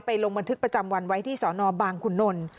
ลงบันทึกประจำวันไว้ที่สอนอบางขุนนล